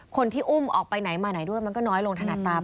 คนที่อุ้มออกไปไหนมาไหนด้วยมันก็น้อยลงถนัดตาม